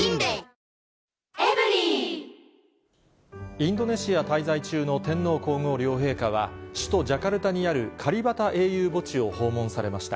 インドネシア滞在中の天皇皇后両陛下は、首都ジャカルタにあるカリバタ英雄墓地を訪問されました。